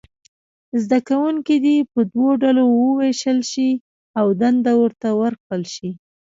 زده کوونکي دې په دوو ډلو وویشل شي او دنده ورته ورکړل شي.